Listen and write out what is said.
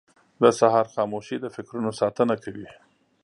• د سهار خاموشي د فکرونو ساتنه کوي.